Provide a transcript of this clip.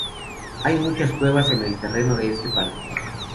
Hay muchas cuevas en el terreno de este parque.